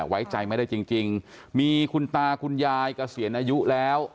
ไว้ใจไม่ได้จริงมีคุณตาคุณยายเกษียณอายุแล้ว